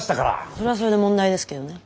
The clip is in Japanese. それはそれで問題ですけどね。